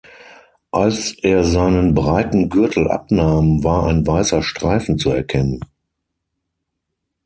Als er seinen breiten Gürtel abnahm, war ein weißer Streifen zu erkennen.